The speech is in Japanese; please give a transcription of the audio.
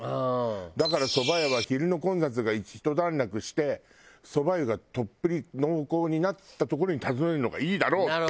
「だから蕎麦屋は昼の混雑が一段落して蕎麦湯がとっぷり濃厚になったところに訪ねるのがいいだろう」って。